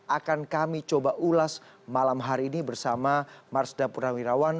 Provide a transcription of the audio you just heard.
akan kami coba ulas malam hari ini bersama marsda purnawirawan